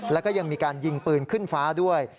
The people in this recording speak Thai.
แล้วก็ยังมีการยิงปืนขึ้นฟ้าด้วย